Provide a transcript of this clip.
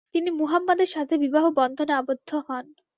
তিনি মুহাম্মাদের সাথে বিবাহ বন্ধনে আবদ্ধ হন।